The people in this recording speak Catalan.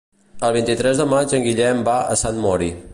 El vint-i-tres de maig en Guillem va a Sant Mori.